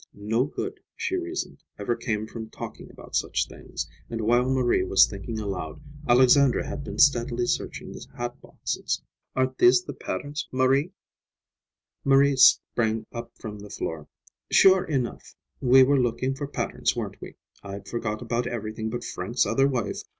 No good, she reasoned, ever came from talking about such things, and while Marie was thinking aloud, Alexandra had been steadily searching the hat boxes. "Aren't these the patterns, Maria?" Maria sprang up from the floor. "Sure enough, we were looking for patterns, weren't we? I'd forgot about everything but Frank's other wife.